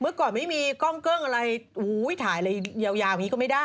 เมื่อก่อนไม่มีกล้องเกิ้งอะไรถ่ายอะไรยาวอย่างนี้ก็ไม่ได้